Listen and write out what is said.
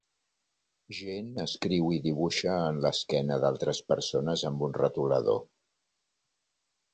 Gent escriu i dibuixa en la esquena d'altres persones amb un retolador.